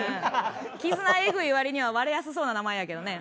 絆えぐい割には割れやすそうな名前やけどね。